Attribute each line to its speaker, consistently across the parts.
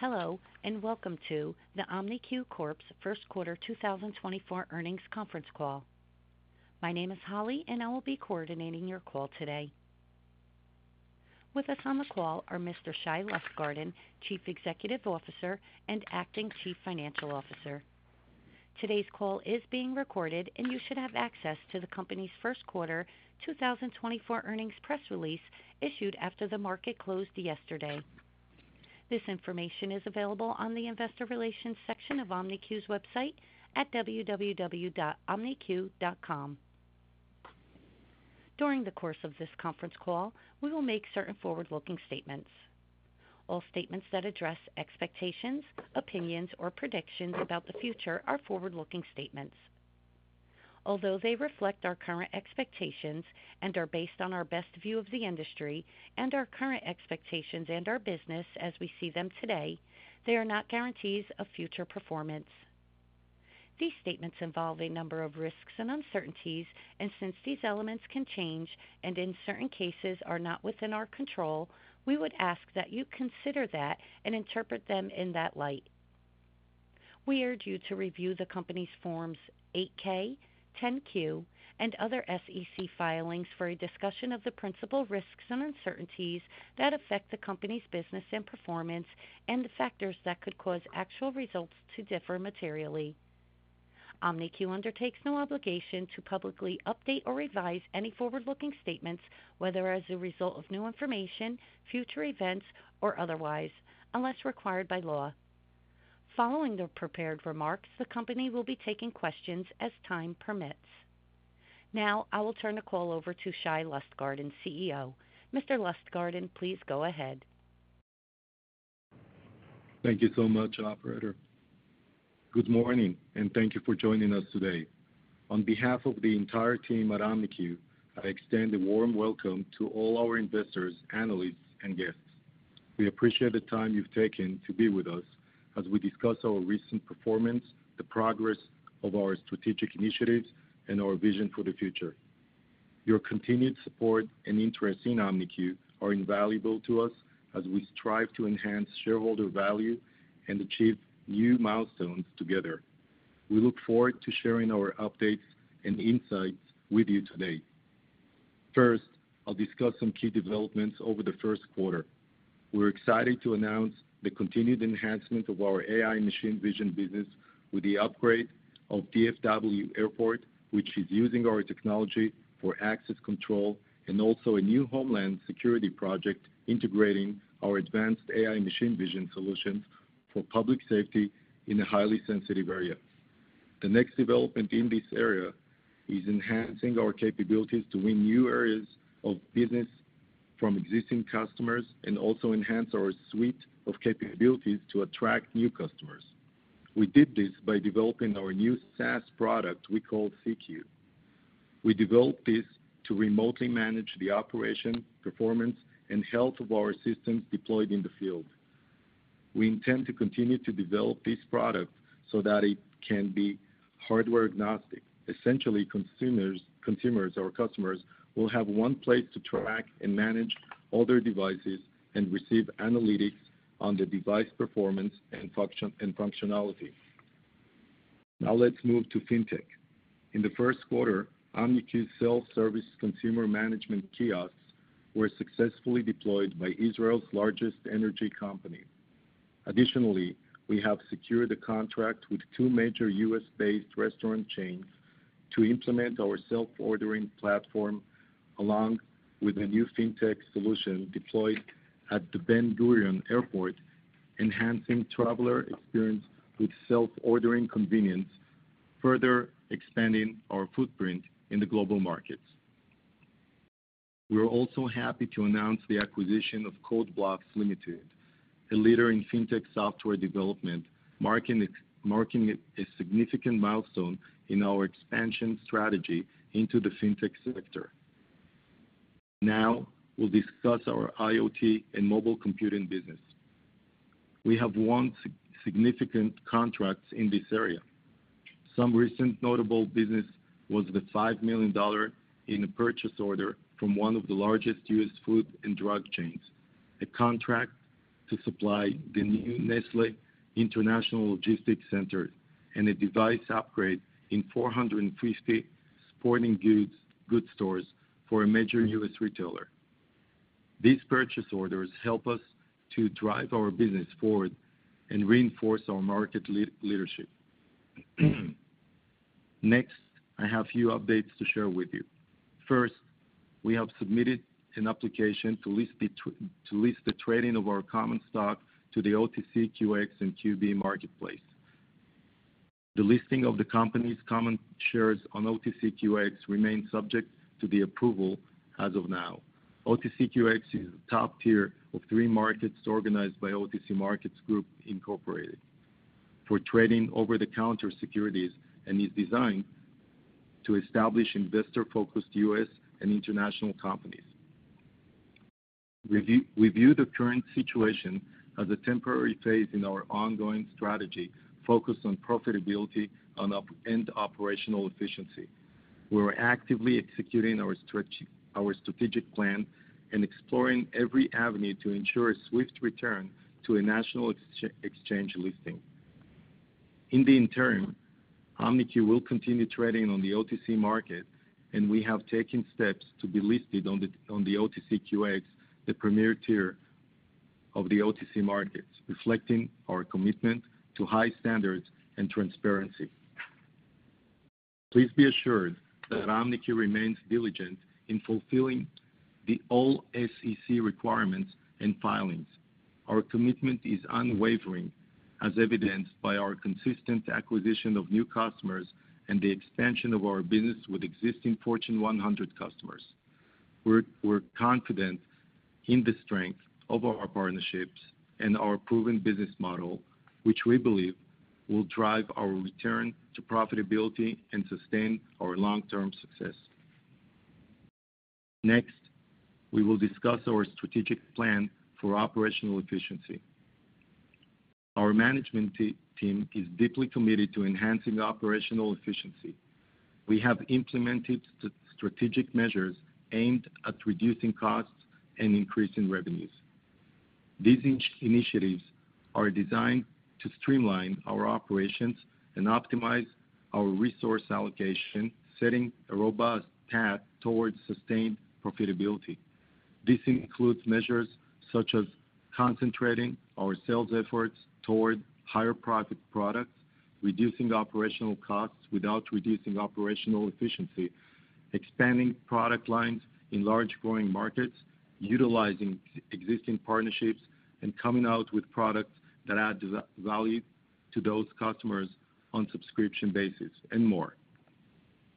Speaker 1: Hello, and welcome to the OMNIQ Corp.'s first quarter 2024 earnings conference call. My name is Holly, and I will be coordinating your call today. With us on the call are Mr. Shai Lustgarten, Chief Executive Officer and Acting Chief Financial Officer. Today's call is being recorded, and you should have access to the company's first quarter 2024 earnings press release issued after the market closed yesterday. This information is available on the investor relations section of OMNIQ's website at www.omniq.com. During the course of this conference call, we will make certain forward-looking statements. All statements that address expectations, opinions, or predictions about the future are forward-looking statements. Although they reflect our current expectations and are based on our best view of the industry and our current expectations and our business as we see them today, they are not guarantees of future performance. These statements involve a number of risks and uncertainties, and since these elements can change and in certain cases are not within our control, we would ask that you consider that and interpret them in that light. We urge you to review the company's Forms 8-K, 10-Q, and other SEC filings for a discussion of the principal risks and uncertainties that affect the company's business and performance and the factors that could cause actual results to differ materially. OMNIQ undertakes no obligation to publicly update or revise any forward-looking statements, whether as a result of new information, future events, or otherwise, unless required by law. Following the prepared remarks, the company will be taking questions as time permits. Now, I will turn the call over to Shai Lustgarten, CEO. Mr. Lustgarten, please go ahead.
Speaker 2: Thank you so much, operator. Good morning, and thank you for joining us today. On behalf of the entire team at OMNIQ, I extend a warm welcome to all our investors, analysts, and guests. We appreciate the time you've taken to be with us as we discuss our recent performance, the progress of our strategic initiatives, and our vision for the future. Your continued support and interest in OMNIQ are invaluable to us as we strive to enhance shareholder value and achieve new milestones together. We look forward to sharing our updates and insights with you today. First, I'll discuss some key developments over the first quarter. We're excited to announce the continued enhancement of our AI machine vision business with the upgrade of DFW Airport, which is using our technology for access control and also a new homeland security project integrating our advanced AI machine vision solutions for public safety in a highly sensitive area. The next development in this area is enhancing our capabilities to win new areas of business from existing customers and also enhance our suite of capabilities to attract new customers. We did this by developing our new SaaS product we call SeeQ. We developed this to remotely manage the operation, performance, and health of our systems deployed in the field. We intend to continue to develop this product so that it can be hardware-agnostic. Essentially, consumers, consumers, or customers, will have one place to track and manage all their devices and receive analytics on the device performance and function and functionality. Now, let's move to fintech. In the first quarter, OMNIQ's self-service consumer management kiosks were successfully deployed by Israel's largest energy company. Additionally, we have secured a contract with two major US-based restaurant chains to implement our self-ordering platform, along with a new fintech solution deployed at the Ben Gurion Airport, enhancing traveler experience with self-ordering convenience, further expanding our footprint in the global markets. We are also happy to announce the acquisition of CodeBlocks Ltd, a leader in fintech software development, marking a significant milestone in our expansion strategy into the fintech sector. Now, we'll discuss our IoT and mobile computing business. We have won significant contracts in this area. Some recent notable business was the $5 million purchase order from one of the largest US food and drug chains, a contract to supply the new Nestlé International Logistics Center, and a device upgrade in 450 sporting goods stores for a major US retailer. These purchase orders help us to drive our business forward and reinforce our market leadership. Next, I have a few updates to share with you. First, we have submitted an application to list the trading of our common stock on the OTCQX and OTCQB marketplace. The listing of the company's common shares on OTCQX remains subject to approval as of now. OTCQX is the top tier of three markets organized by OTC Markets Group, Incorporated, for trading over-the-counter securities and is designed to establish investor-focused US and international companies. We view the current situation as a temporary phase in our ongoing strategy, focused on profitability and operational efficiency. We're actively executing our strategic plan and exploring every avenue to ensure a swift return to a national exchange listing. In the interim, OMNIQ will continue trading on the OTC market, and we have taken steps to be listed on the OTCQX, the premier tier of the OTC markets, reflecting our commitment to high standards and transparency. Please be assured that OMNIQ remains diligent in fulfilling all the SEC requirements and filings. Our commitment is unwavering, as evidenced by our consistent acquisition of new customers and the expansion of our business with existing Fortune 100 customers. We're confident in the strength of our partnerships and our proven business model, which we believe will drive our return to profitability and sustain our long-term success. Next, we will discuss our strategic plan for operational efficiency. Our management team is deeply committed to enhancing operational efficiency. We have implemented strategic measures aimed at reducing costs and increasing revenues. These initiatives are designed to streamline our operations and optimize our resource allocation, setting a robust path towards sustained profitability. This includes measures such as concentrating our sales efforts toward higher profit products, reducing operational costs without reducing operational efficiency, expanding product lines in large growing markets, utilizing existing partnerships, and coming out with products that add value to those customers on subscription basis, and more.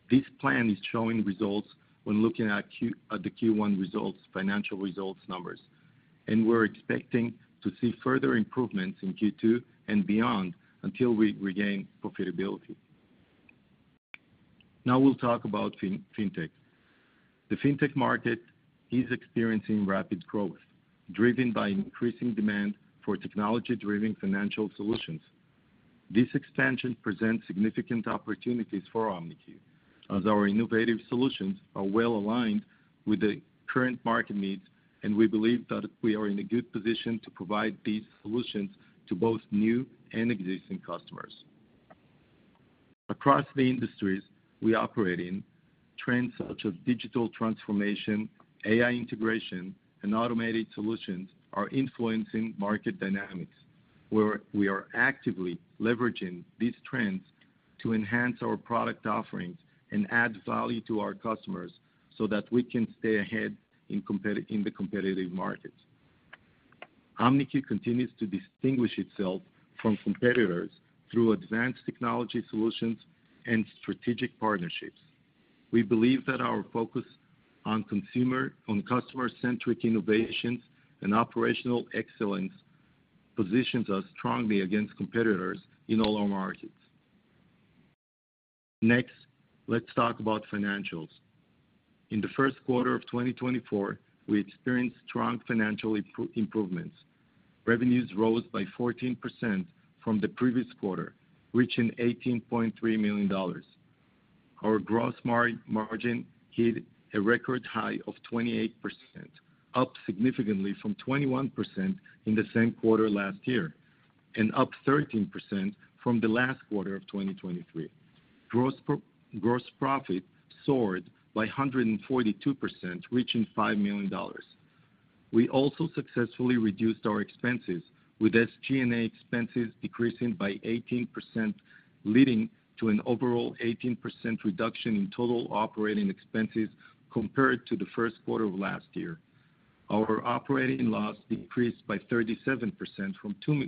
Speaker 2: This plan is showing results when looking at the Q1 results, financial results numbers, and we're expecting to see further improvements in Q2 and beyond until we regain profitability. Now we'll talk about fintech. The fintech market is experiencing rapid growth, driven by increasing demand for technology-driven financial solutions. This expansion presents significant opportunities for OMNIQ, as our innovative solutions are well aligned with the current market needs, and we believe that we are in a good position to provide these solutions to both new and existing customers. Across the industries we operate in, trends such as digital transformation, AI integration, and automated solutions are influencing market dynamics, where we are actively leveraging these trends to enhance our product offerings and add value to our customers so that we can stay ahead in the competitive markets. OMNIQ continues to distinguish itself from competitors through advanced technology solutions and strategic partnerships. We believe that our focus on customer-centric innovations and operational excellence positions us strongly against competitors in all our markets. Next, let's talk about financials. In the first quarter of 2024, we experienced strong financial improvements. Revenues rose by 14% from the previous quarter, reaching $18.3 million. Our gross margin hit a record high of 28%, up significantly from 21% in the same quarter last year, and up 13% from the last quarter of 2023. Gross profit soared by 142%, reaching $5 million. We also successfully reduced our expenses, with SG&A expenses decreasing by 18%, leading to an overall 18% reduction in total operating expenses compared to the first quarter of last year. Our operating loss decreased by 37% from $2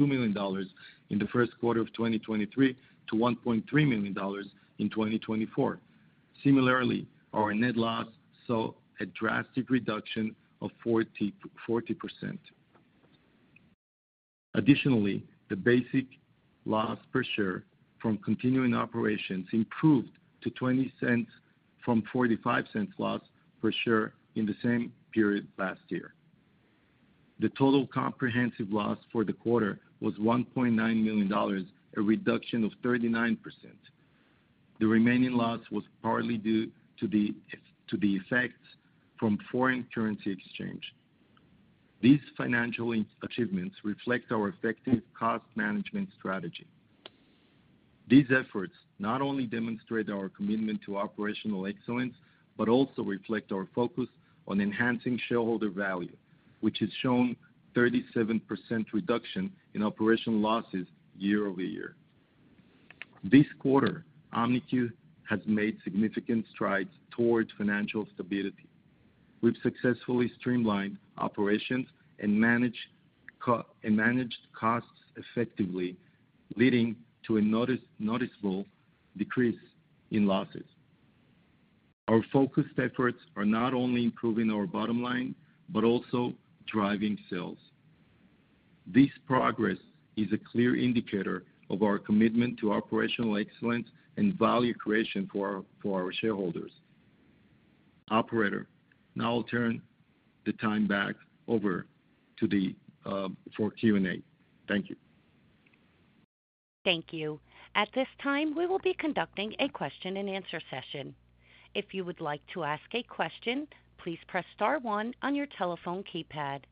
Speaker 2: million in the first quarter of 2023 to $1.3 million in 2024. Similarly, our net loss saw a drastic reduction of 40%. Additionally, the basic loss per share from continuing operations improved to $0.20 from $0.45 loss per share in the same period last year. The total comprehensive loss for the quarter was $1.9 million, a reduction of 39%. The remaining loss was partly due to the effects from foreign currency exchange. These financial achievements reflect our effective cost management strategy. These efforts not only demonstrate our commitment to operational excellence, but also reflect our focus on enhancing shareholder value, which has shown 37% reduction in operational losses year-over-year. This quarter, OMNIQ has made significant strides towards financial stability. We've successfully streamlined operations and controlled and managed costs effectively, leading to a noticeable decrease in losses. Our focused efforts are not only improving our bottom line, but also driving sales. This progress is a clear indicator of our commitment to operational excellence and value creation for our, for our shareholders. Operator, now I'll turn the time back over to the for Q&A. Thank you.
Speaker 1: Thank you. At this time, we will be conducting a question-and-answer session. If you would like to ask a question, please press star one on your telephone keypad.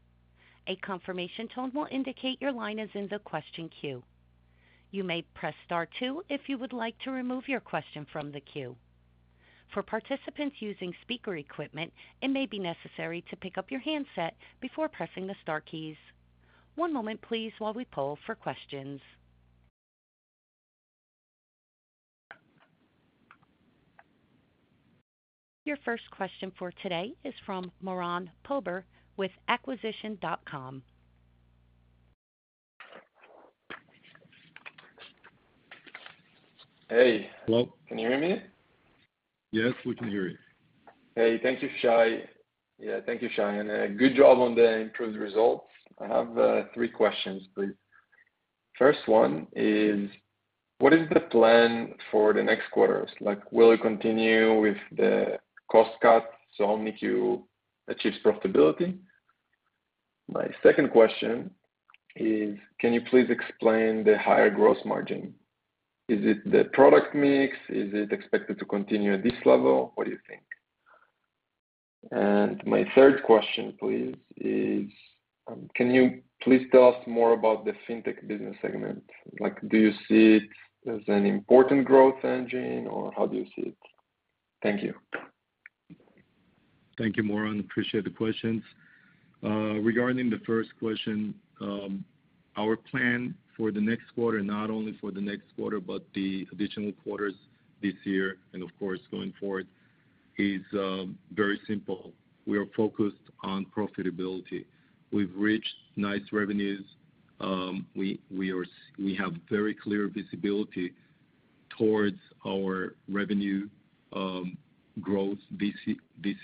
Speaker 1: A confirmation tone will indicate your line is in the question queue. You may press star two if you would like to remove your question from the queue. For participants using speaker equipment, it may be necessary to pick up your handset before pressing the star keys. One moment please, while we poll for questions. Your first question for today is from Moran Pober with Acquisitions.com.
Speaker 3: Hey.
Speaker 2: Hello?
Speaker 3: Can you hear me?
Speaker 2: Yes, we can hear you.
Speaker 3: Hey, thank you, Shai. Yeah, thank you, Shai, and good job on the improved results. I have three questions, please. First one is, what is the plan for the next quarters? Like, will you continue with the cost cuts, so OMNIQ achieves profitability? My second question is, can you please explain the higher gross margin? Is it the product mix? Is it expected to continue at this level? What do you think? And my third question, please, is, can you please tell us more about the fintech business segment? Like, do you see it as an important growth engine, or how do you see it? Thank you.
Speaker 2: Thank you, Moran. Appreciate the questions. Regarding the first question, our plan for the next quarter, not only for the next quarter, but the additional quarters this year and of course, going forward, is very simple. We are focused on profitability. We've reached nice revenues. We have very clear visibility towards our revenue growth this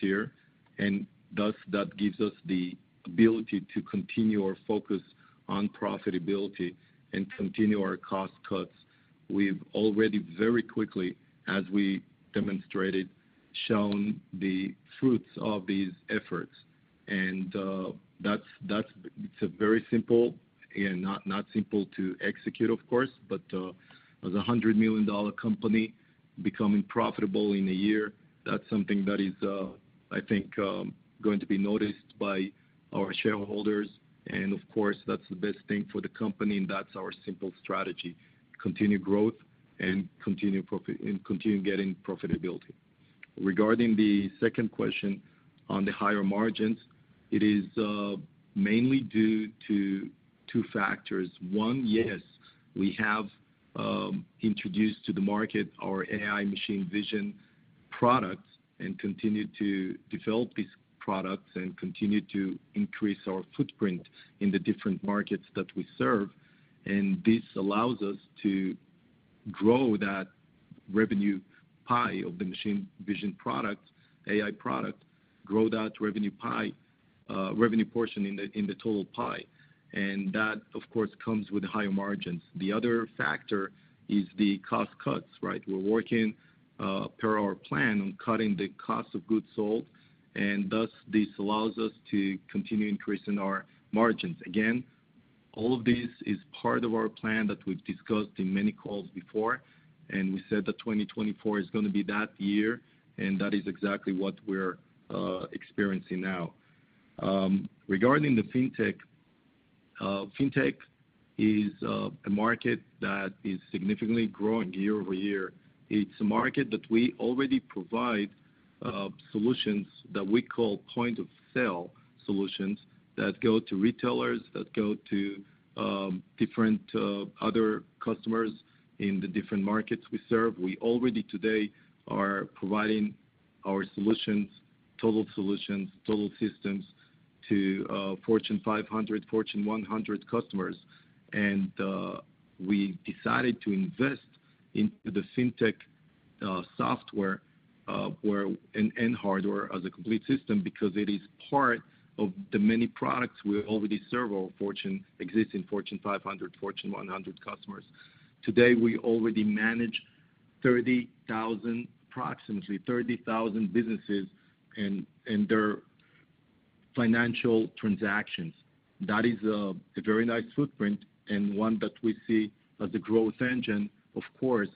Speaker 2: year, and thus, that gives us the ability to continue our focus on profitability and continue our cost cuts. We've already very quickly, as we demonstrated, shown the fruits of these efforts, and that's – it's a very simple, and not simple to execute, of course, but as a $100 million company becoming profitable in a year, that's something that is, I think, going to be noticed by our shareholders. And of course, that's the best thing for the company, and that's our simple strategy: continue growth and continue profit and continue getting profitability. Regarding the second question on the higher margins, it is mainly due to two factors. One, yes, we have introduced to the market our AI machine vision products and continued to develop these products and continued to increase our footprint in the different markets that we serve, and this allows us to grow that revenue pie of the machine vision product, AI product, grow that revenue pie, revenue portion in the, in the total pie. And that, of course, comes with higher margins. The other factor is the cost cuts, right? We're working per our plan on cutting the cost of goods sold, and thus, this allows us to continue increasing our margins. Again, all of this is part of our plan that we've discussed in many calls before, and we said that 2024 is gonna be that year, and that is exactly what we're experiencing now. Regarding the fintech, fintech is a market that is significantly growing year-over-year. It's a market that we already provide solutions that we call point-of-sale solutions, that go to retailers, that go to different other customers in the different markets we serve. We already today are providing our solutions, total solutions, total systems, to Fortune 500, Fortune 100 customers. We decided to invest in the fintech software and hardware as a complete system because it is part of the many products we already serve our existing Fortune 500, Fortune 100 customers. Today, we already manage 30,000, approximately 30,000 businesses and their financial transactions. That is a very nice footprint and one that we see as a growth engine, of course,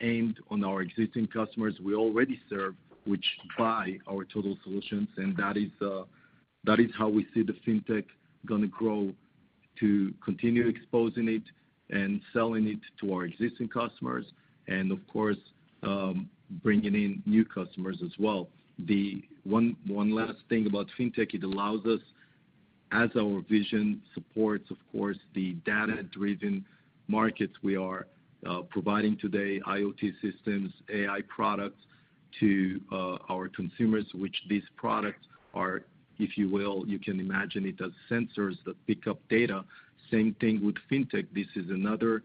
Speaker 2: aimed on our existing customers we already serve, which buy our total solutions, and that is how we see the fintech gonna grow, to continue exposing it and selling it to our existing customers and of course, bringing in new customers as well. The one last thing about fintech, it allows us, as our vision supports, of course, the data-driven markets we are providing today, IoT systems, AI products, to our consumers, which these products are, if you will, you can imagine it as sensors that pick up data. Same thing with fintech. This is another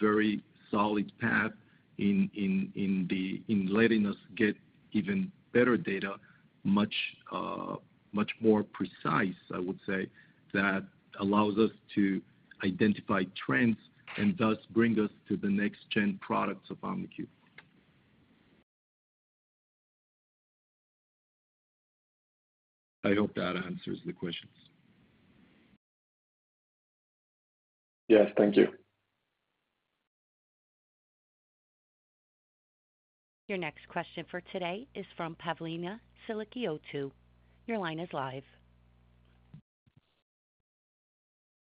Speaker 2: very solid path in letting us get even better data much more precise, I would say, that allows us to identify trends and thus bring us to the next-gen products of OMNIQ. I hope that answers the questions.
Speaker 3: Yes, thank you.
Speaker 1: Your next question for today is from Pavlina Silikiotou. Your line is live.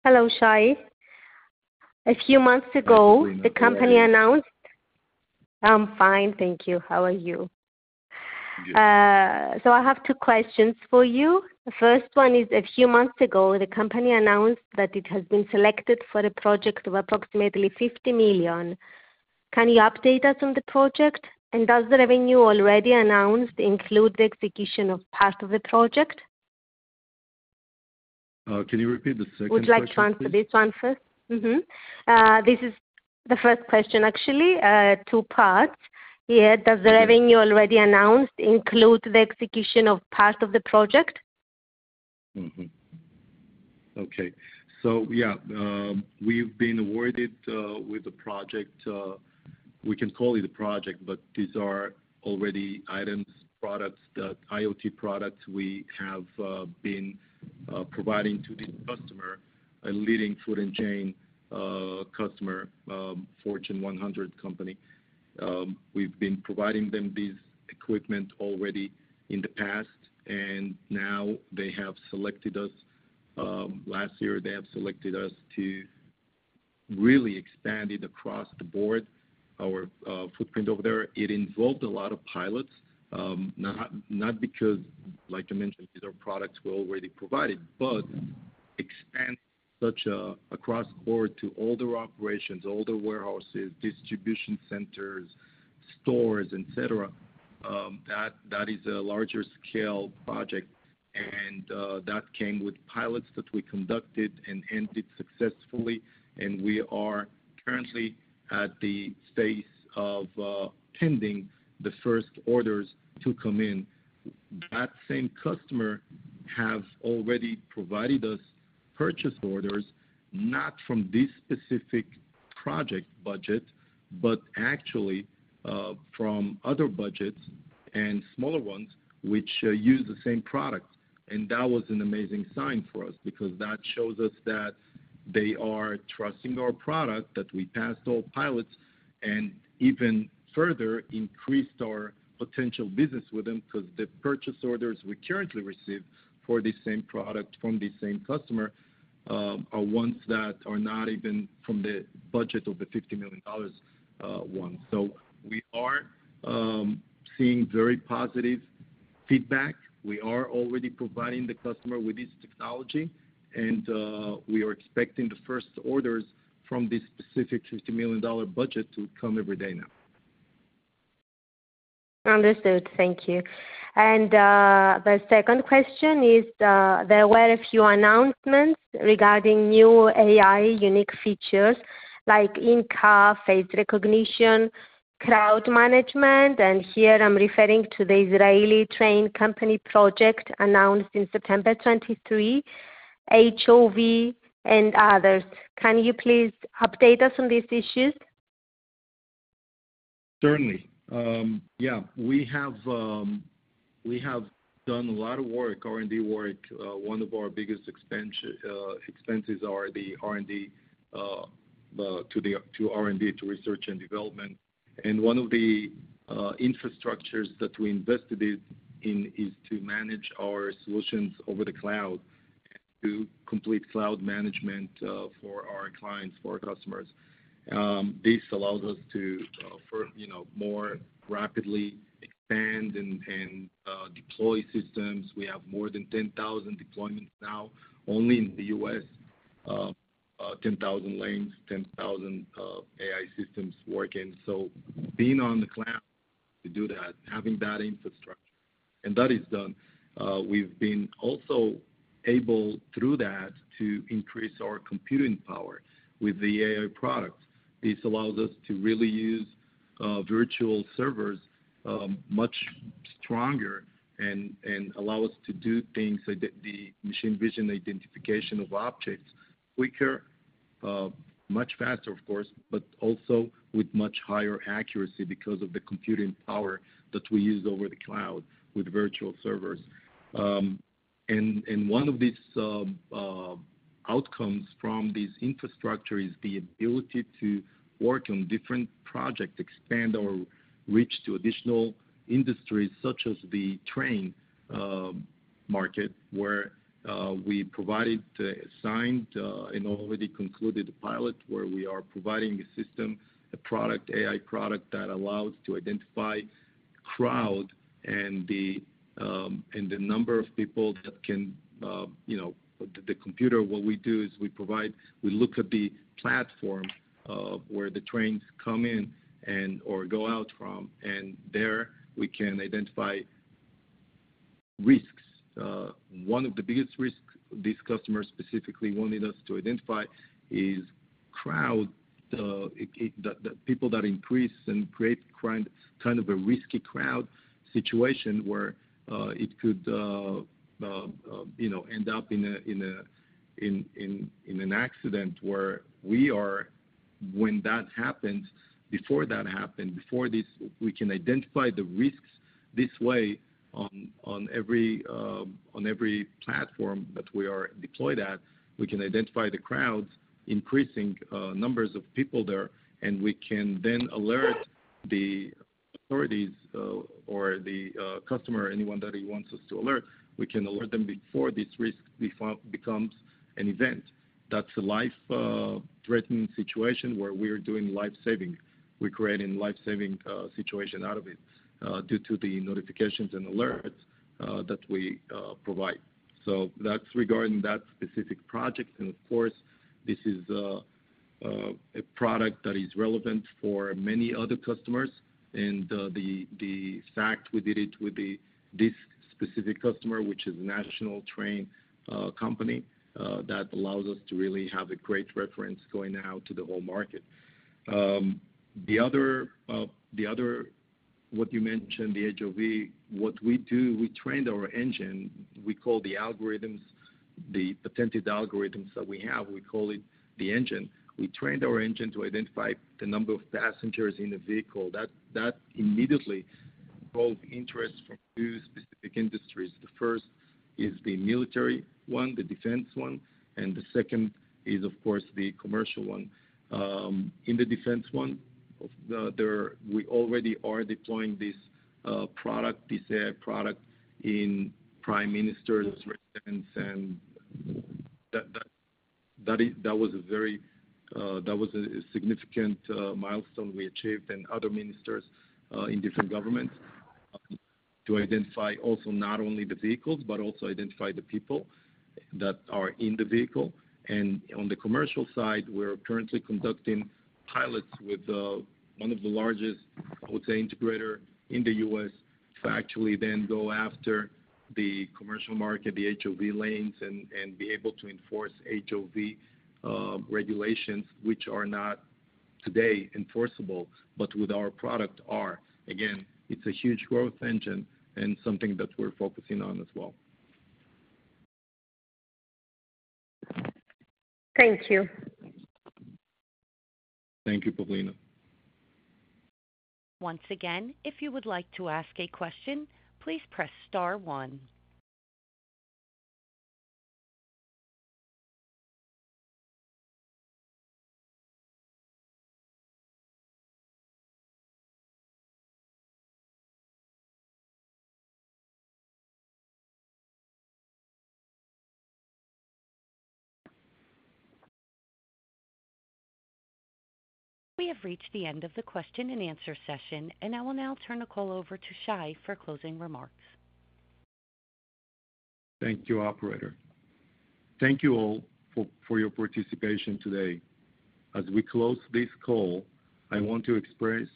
Speaker 4: Hello, Shai. A few months ago, the company announced-
Speaker 2: Thank you for your-
Speaker 4: I'm fine, thank you. How are you?
Speaker 2: Good.
Speaker 4: So, I have two questions for you. The first one is, a few months ago, the company announced that it has been selected for a project of approximately $50 million. Can you update us on the project? Does the revenue already announced include the execution of part of the project?
Speaker 2: Can you repeat the second question, please?
Speaker 4: Would you like to answer this one first? Mm-hmm. This is the first question, actually, two parts. Yeah.
Speaker 2: Mm-hmm.
Speaker 4: Does the revenue already announced include the execution of part of the project?
Speaker 2: Okay. Yeah, we've been awarded with the project. We can call it a project, but these are already items, products, the IoT products we have been providing to the customer, a leading food chain customer, Fortune 100 company. We've been providing them these equipment already in the past, and now they have selected us—last year, they have selected us to really expand it across the board, our footprint over there. It involved a lot of pilots, not because, like I mentioned, these are products we already provided, but expand such a across board to all their operations, all their warehouses, distribution centers, stores, et cetera, that is a larger scale project. And, that came with pilots that we conducted and ended successfully, and we are currently at the stage of, pending the first orders to come in. That same customer have already provided us purchase orders, not from this specific project budget, but actually, from other budgets and smaller ones, which, use the same product. And that was an amazing sign for us because that shows us that they are trusting our product, that we passed all pilots, and even further increased our potential business with them because the purchase orders we currently receive for the same product from the same customer, are ones that are not even from the budget of the $50 million one. So we are, seeing very positive feedback. We are already providing the customer with this technology, and, we are expecting the first orders from this specific $50 million budget to come every day now.
Speaker 4: Understood. Thank you. And, the second question is, there were a few announcements regarding new AI unique features, like in-car face recognition, crowd management, and here I'm referring to the Israeli train company project announced in September 2023, HOV and others. Can you please update us on these issues?
Speaker 2: Certainly. Yeah, we have done a lot of work, R&D work. One of our biggest expenses are the R&D, to research and development. And one of the infrastructures that we invested it in is to manage our solutions over the cloud, to complete cloud management, for our clients, for our customers. This allows us to, you know, more rapidly expand and deploy systems. We have more than 10,000 deployments now, only in the U.S., 10,000 lanes, 10,000 AI systems working. So being on the cloud to do that, having that infrastructure, and that is done. We've been also able, through that, to increase our computing power with the AI products. This allows us to really use virtual servers much stronger and allow us to do things like the machine vision identification of objects quicker, much faster, of course, but also with much higher accuracy because of the computing power that we use over the cloud with virtual servers. And, and one of these outcomes from this infrastructure is the ability to work on different projects, expand our reach to additional industries, such as the train market, where we provided, signed, and already concluded a pilot, where we are providing a system, a product, AI product, that allows to identify crowd and the, and the number of people that can, you know, the, the computer. What we do is we provide- we look at the platform where the trains come in and, or go out from, and there we can identify risks. One of the biggest risks these customers specifically wanted us to identify is-... Crowd, the people that increase and create kind of a risky crowd situation where it could, you know, end up in an accident where we are—when that happens, before that happens, before this, we can identify the risks this way on every platform that we are deployed at. We can identify the crowds, increasing numbers of people there, and we can then alert the authorities or the customer, anyone that he wants us to alert. We can alert them before this risk becomes an event. That's a life threatening situation where we're doing life-saving. We're creating life-saving situation out of it due to the notifications and alerts that we provide. So that's regarding that specific project, and of course, this is a product that is relevant for many other customers. And the fact we did it with this specific customer, which is national train company, that allows us to really have a great reference going out to the whole market. The other... what you mentioned, the HOV, what we do, we trained our engine. We call the algorithms, the patented algorithms that we have, we call it the engine. We trained our engine to identify the number of passengers in a vehicle. That immediately brought interest from two specific industries. The first is the military one, the defense one, and the second is, of course, the commercial one. In the defense one, there, we already are deploying this product in Prime Minister's residence, and that was a significant milestone we achieved and other ministers in different governments to identify also not only the vehicles, but also identify the people that are in the vehicle. And on the commercial side, we're currently conducting pilots with one of the largest hotel integrator in the U.S., to actually then go after the commercial market, the HOV lanes, and be able to enforce HOV regulations, which are not today enforceable, but with our product are. Again, it's a huge growth engine and something that we're focusing on as well. Thank you. Thank you, Pavlina.
Speaker 1: Once again, if you would like to ask a question, please press star one. We have reached the end of the question and answer session, and I will now turn the call over to Shai for closing remarks.
Speaker 2: Thank you, Operator. Thank you all for your participation today. As we close this call, I want to express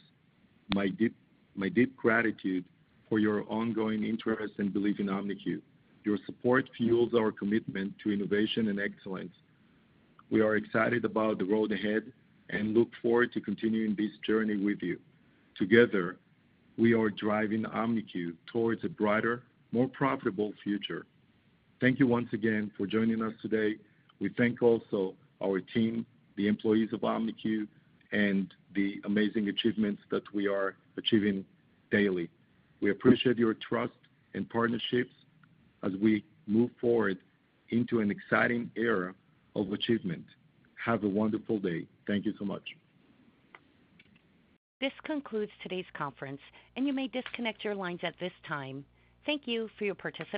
Speaker 2: my deep gratitude for your ongoing interest and belief in Omniq. Your support fuels our commitment to innovation and excellence. We are excited about the road ahead and look forward to continuing this journey with you. Together, we are driving OMNIQ towards a brighter, more profitable future. Thank you once again for joining us today. We thank also our team, the employees of OMNIQ, and the amazing achievements that we are achieving daily. We appreciate your trust and partnerships as we move forward into an exciting era of achievement. Have a wonderful day. Thank you so much.
Speaker 1: This concludes today's conference, and you may disconnect your lines at this time. Thank you for your participation.